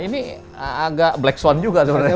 ini agak black sound juga sebenarnya